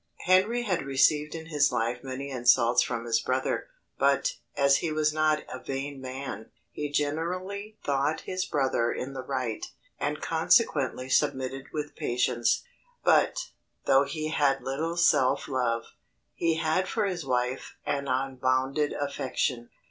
Henry had received in his life many insults from his brother; but, as he was not a vain man, he generally thought his brother in the right, and consequently submitted with patience; but, though he had little self love, he had for his wife an unbounded affection.